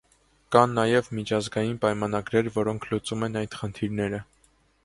Կան նաև միջազգային պայմանագրեր, որոնք լուծում են այդ խնդիրները։